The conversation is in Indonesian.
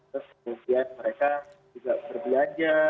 terus kemudian mereka juga berbelanja